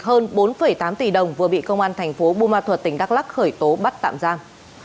hơn bốn tám tỷ đồng vừa bị công an thành phố bùa ma thuật tỉnh đắk lắc khởi tố bắt tạm giam